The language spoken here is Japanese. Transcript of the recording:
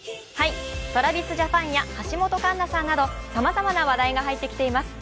ＴｒａｖｉｓＪａｐａｎや橋本環奈さんなどさまざまな話題が入ってきています。